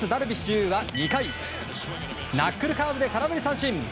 有は２回ナックルカーブで空振り三振。